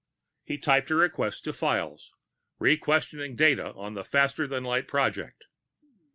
He typed a request to Files, requisitioning data on the faster than light project.